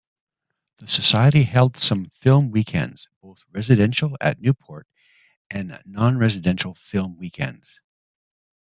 The society held some film weekends, both residential at Newport and non-residential film weekends.